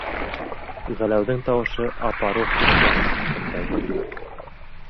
- Ғәләүҙең тауышы апаруҡ ихлас сыҡҡандай булды.